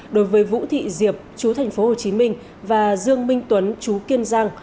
đối với vũ thị diệp chú thành phố hồ chí minh và dương minh tuấn chú kiên giang